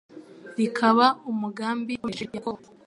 rikaba umugambi yakomereje Yakobo